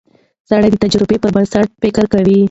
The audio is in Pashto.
سړی د تجربې پر بنسټ فکر کوي